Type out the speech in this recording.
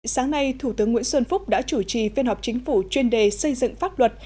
sáng nay thủ tướng nguyễn xuân phúc đã chủ trì phiên họp chính phủ chuyên đề xây dựng pháp luật